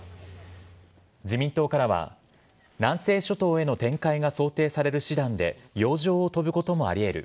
自民党からは南西諸島への展開が想定される師団で洋上を飛ぶこともあり得る。